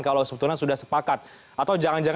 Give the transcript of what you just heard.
kalau sebetulnya sudah sepakat